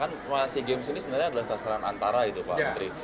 kan sea games ini sebenarnya adalah sasaran antara itu pak menteri